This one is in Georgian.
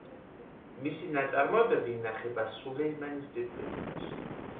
მისი ნაწარმოებები ინახება სულეიმანის ბიბლიოთეკაში.